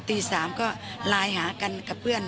ตี๓ก็ไลน์หากันกับเพื่อน